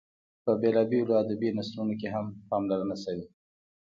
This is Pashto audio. په بېلابېلو ادبي نثرونو کې هم پاملرنه شوې.